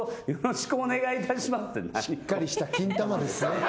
「しっかりしたキンタマですね」